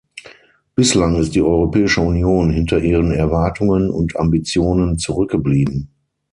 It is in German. Bislang ist die Europäische Union hinter ihren Erwartungen und Ambitionen zurückgeblieben.